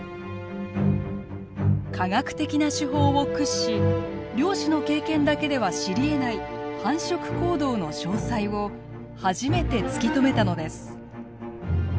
科学的な手法を駆使し漁師の経験だけでは知りえない繁殖行動の詳細を初めて突き止めたのです。